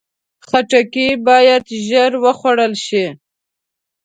خټکی باید ژر وخوړل شي.